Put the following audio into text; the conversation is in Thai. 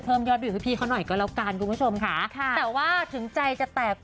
ยอดวิวให้พี่เขาหน่อยก็แล้วกันคุณผู้ชมค่ะแต่ว่าถึงใจจะแตก